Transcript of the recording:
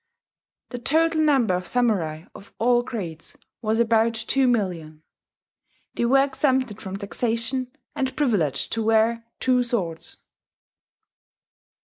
The total number of samurai of all grades was about 2,000,000. They were exempted from taxation, and privileged to wear two swords.